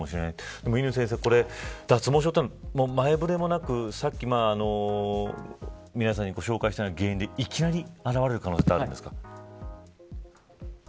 でも乾先生、脱毛症というのは前触れもなくさっき皆さんにご紹介したような原因でいきなり現れる可能性はあるんですか。